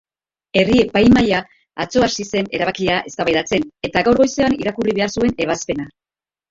Herri-epaimahaia atzo hasi zen erabakia eztabaidatzen eta gaur goizean irakurri behar zuen ebazpena.